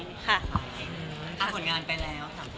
ถ้าผลงานไปแล้ว